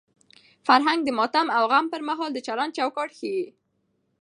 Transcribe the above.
فرهنګ د ماتم او غم پر مهال د چلند چوکاټ ښيي.